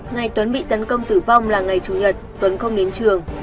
ngày tuấn bị tấn công tử vong là ngày chủ nhật tuấn không đến trường